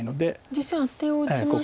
実戦アテを打ちましたが。